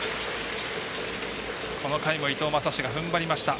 この回も伊藤将司がふんばりました。